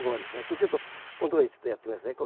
これちょっとここのとこにちょっとやってみますね。